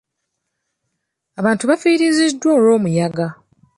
Abantu bafiiriziddwa olw'omuyaga.